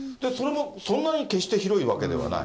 そんなに決して広いわけではない。